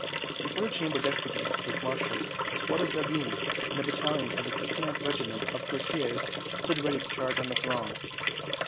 Before the Chamber of Deputies was marshaled a squadron of dragoons, and a battalion of the 69th Regiment of Cuirassiers stood ready to charge on the throng.